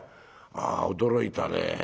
ああ驚いたね。